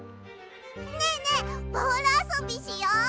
ねえねえボールあそびしよう！